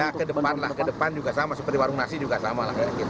ya ke depan lah ke depan juga sama seperti warung nasi juga sama lah